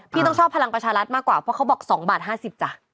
ต้องชอบพลังประชารัฐมากกว่าเพราะเขาบอก๒บาท๕๐จ้ะ